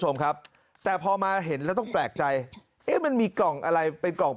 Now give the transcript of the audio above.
คุณผู้ชมครับแต่พอมาเห็นแล้วต้องแปลกใจเอ๊ะมันมีกล่องอะไรเป็นกล่อง